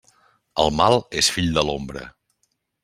El mal és fill de l'ombra.